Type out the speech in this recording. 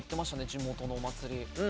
地元のお祭り。